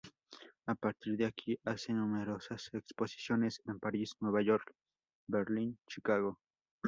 A partir de aquí hace numerosas exposiciones en París, Nueva York, Berlín, Chicago.